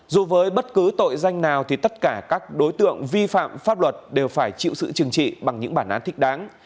dù với bất cứ tội danh nào thì tất cả các đối tượng vi phạm pháp luật đều phải chịu sự chừng trị bằng những bản án thích đáng